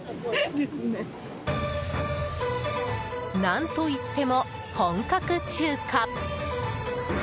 何といっても本格中華！